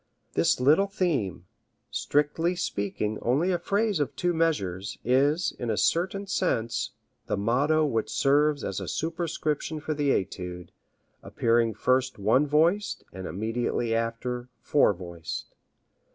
This little theme, strictly speaking only a phrase of two measures, is, in a certain sense, the motto which serves as a superscription for the etude, appearing first one voiced, and immediately afterward four voiced.